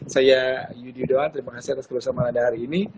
saya yudi yudhawan terima kasih atas kerjasama anda hari ini